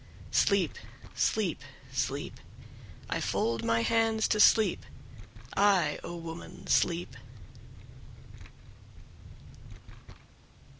12. Sleep, sleep, sleep, I fold my hands to sleep, I, O woman, sleep.